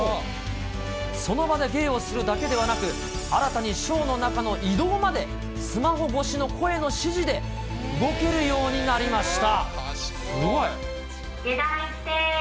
その場で芸をするだけでなく、新たにショーの中の移動までスマホ越しの声の指示で動けるようになりました。